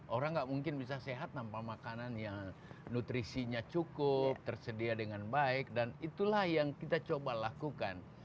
orang nggak mungkin bisa sehat tanpa makanan yang nutrisinya cukup tersedia dengan baik dan itulah yang kita coba lakukan